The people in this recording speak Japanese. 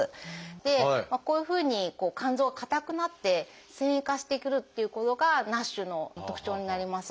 でこういうふうに肝臓が硬くなって線維化してくるっていうことがＮＡＳＨの特徴になります。